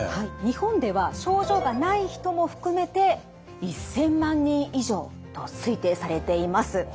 日本では症状がない人も含めて１，０００万人以上と推定されています。